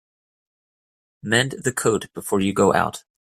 Mend the coat before you go out.